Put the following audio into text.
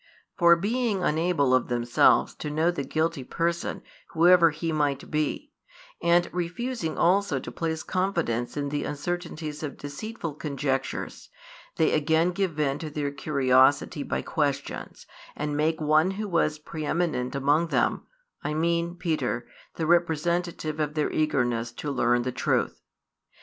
For being unable of themselves to know the guilty person, whoever he might be, and refusing also to place confidence in the uncertainties of deceitful conjectures, they again give vent to their curiosity by questions, and make one who was preeminent among them, I mean Peter, the representative of their eagerness to learn the truth.